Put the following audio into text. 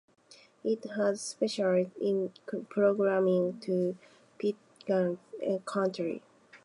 It had specialized in programming to Pittsburgh's African-American community.